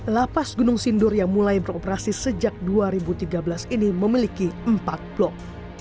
lapas gunung sindur yang mulai beroperasi sejak dua ribu tiga belas ini memiliki empat blok